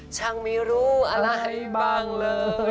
ช่างไม่รู้อะไรบ้างเลย